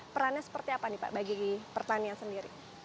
perannya seperti apa nih pak bagi